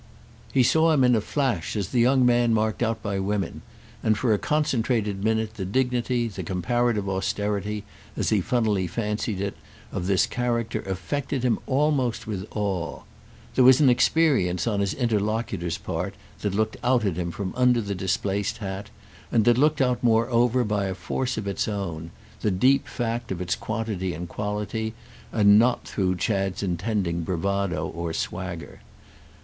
He saw him in a flash as the young man marked out by women; and for a concentrated minute the dignity, the comparative austerity, as he funnily fancied it, of this character affected him almost with awe. There was an experience on his interlocutor's part that looked out at him from under the displaced hat, and that looked out moreover by a force of its own, the deep fact of its quantity and quality, and not through Chad's intending bravado or swagger.